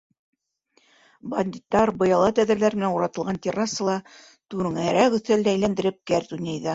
Бандиттар быяла тәҙрәләр менән уратылған террасала, түңәрәк өҫтәлде әйләндереп, кәрт уйнайҙар.